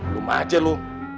rumah aja lu